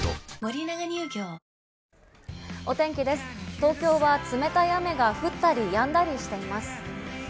東京は冷たい雨が降ったりやんだりしています。